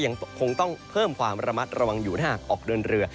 ยังคงต้องเพิ่มความระมัดระวังอยู่ถ้าหากออกเดินเรือ